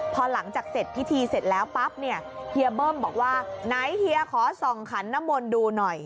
พอหลังจากเสร็จพิธีเสร็จแล้วปั๊บเนี่ยเฮียเบิ้มบอกว่าไหนเฮียขอส่องขันน้ำมนต์ดูหน่อย